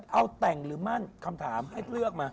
เอาแต่งหรือมั่นคำถามให้เลือกมา